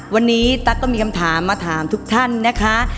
วันนี้ตั๊กก็มีคำถามมาถามทุกท่านนะคะ